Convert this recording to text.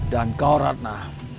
dan kau ratna